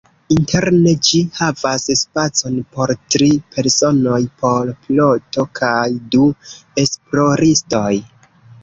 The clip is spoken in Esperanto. Interne ĝi havas spacon por tri personoj, por piloto kaj du esploristoj.